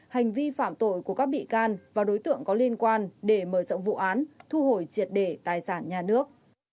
hành vi phạm tội của các bị can và đối tượng có liên quan để mở rộng vụ án thu hồi triệt để tài sản nhà nước